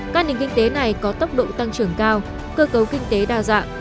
các nền kinh tế này có tốc độ tăng trưởng cao cơ cấu kinh tế đa dạng